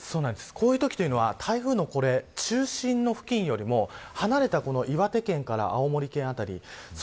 こういうときというのは台風の中心の付近よりも離れた岩手県から青森県辺り